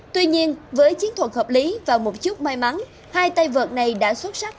tuy nhiên với chiến thuật hợp lý và một chút may mắn hai tay vợt này đã xuất sắc